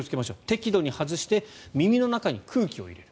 適度に外して耳の中に空気を入れる。